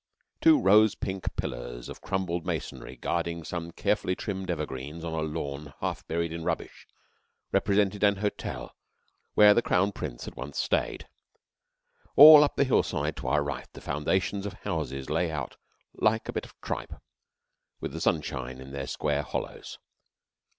Two rose pink pillars of crumbled masonry, guarding some carefully trimmed evergreens on a lawn half buried in rubbish, represented an hotel where the Crown Prince had once stayed. All up the hillside to our right the foundations of houses lay out, like a bit of tripe, with the sunshine in their square hollows.